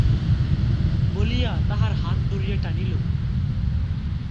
বলিয়া তাহার হাত ধরিয়া টানিল।